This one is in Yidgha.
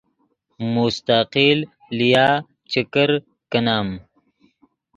مستقل لیا چے کرکینم